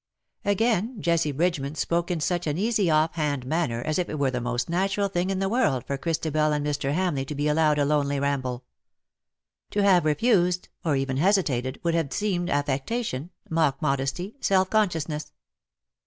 Again, Jessie Bridgeman spoke in such an easy off hand manner, as if it were the most natural thing in the world for Christabel and Mr. Hamleigh to be allowed a lonely ramble. To have refused, or even hesitated, would have seemed affectation, mock modesty, self consciousness.